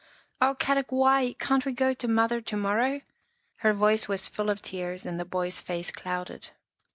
" Oh, Kadok, why? Can't we go to Mother to morrow?" her voice was full of tears and the boy's face clouded.